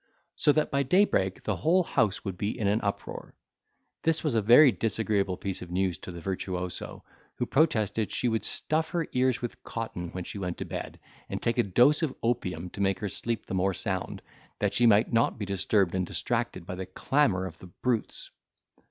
so that by daybreak the whole house would be in an uproar. This was a very disagreeable piece of news to the virtuoso, who protested she would stuff her ears with cotton when she went to bed, and take a dose of opium to make her sleep the more sound, that she might not be disturbed and distracted by the clamour of the brutes.